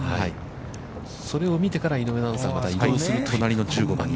それを見てから井上アナウンサーは移動する、となりに。